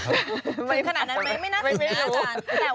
เป็นขนาดนั้นไม่น่างาน